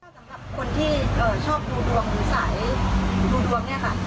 สำหรับคนที่ชอบดูดวงหรือสายดูดวงเนี่ยค่ะ